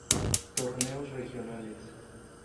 Torneos regionales